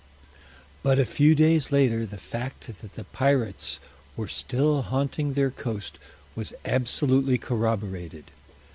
But a few days later the fact that the pirates were still haunting their coast was absolutely corroborated.